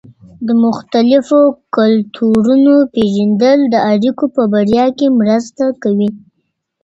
د مختلفو کلتورونو پېژندل د اړيکو په بریا کې مرسته کوي.